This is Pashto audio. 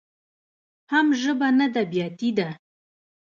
حم ژبه نده بياتي ده.